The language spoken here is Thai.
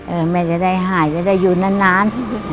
แม่จะได้หายจะได้อยู่นาน